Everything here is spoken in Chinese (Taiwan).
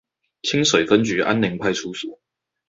清水分局安寧派出所